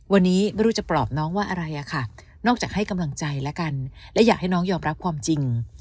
วันนี้ไม่รู้จะปลอบน้องว่าอะไรอะค่ะนอกจากให้กำลังใจและกันและอยากให้น้องยอมรับความจริง